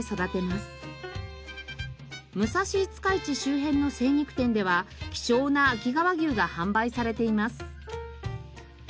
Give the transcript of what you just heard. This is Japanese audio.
武蔵五日市周辺の精肉店では希少な秋川牛が販売されています。